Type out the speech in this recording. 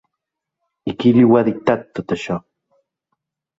I qui li ho ha dictat, tot això?